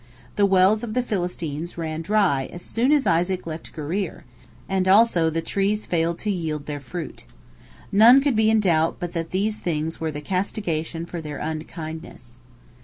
The wells of the Philistines ran dry as soon as Isaac left Gerar, and also the trees failed to yield their fruit. None could be in doubt but that these things were the castigation for their unkindness.